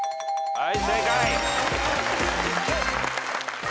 はい。